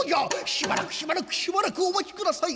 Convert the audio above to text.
「しばらくしばらくしばらくお待ちください」。